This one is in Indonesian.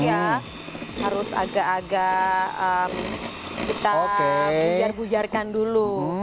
ya harus agak agak kita bujarkan dulu